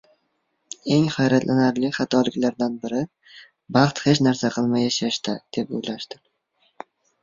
Eng hayratlanarli xatoliklardan biri – baxt hech narsa qilmay yashashda, deb oʻylashdir.